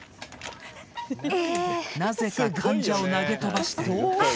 なぜか患者を投げとばしたり。